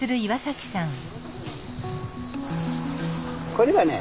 これはね